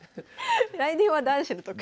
来年は男子の特集。